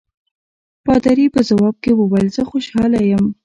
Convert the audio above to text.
پادري په ځواب کې وویل زه خوشاله یم.